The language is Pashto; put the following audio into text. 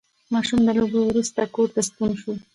ماشوم له لوبو وروسته کور ته ستون شو